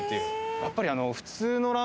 やっぱり。